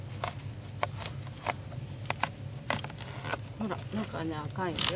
ほら中はね赤いのよ。